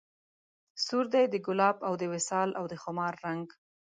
سور دی د ګلاب او د وصال او د خمار رنګ